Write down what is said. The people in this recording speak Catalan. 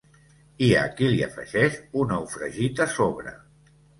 Hi ha qui li afegeix un ou fregit a sobre.